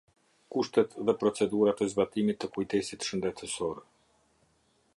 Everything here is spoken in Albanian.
Kushtet dhe procedurat e zbatimit të kujdesit shëndetësor.